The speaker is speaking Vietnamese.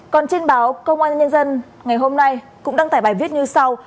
còn trên báo công an nhân dân ngày hôm nay cũng đăng tải bài viết như sau